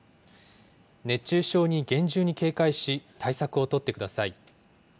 熱中症に厳重に警戒し、対策を取ってください。